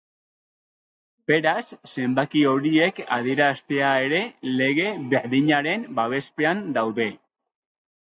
Beraz, zenbaki horiek adieraztea ere lege berdinaren babespean daude.